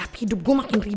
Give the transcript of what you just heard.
pernah nggak sih